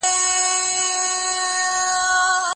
آیا تاسو غواړئ چې د هغوی د هر یوه په اړه جلا معلومات واورئ؟